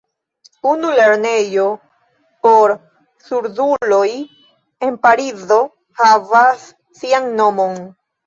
Unu lernejo por surduloj en Parizo havas sian nomon.